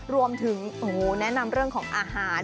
รวมถึงแนะนำเรื่องของอาหาร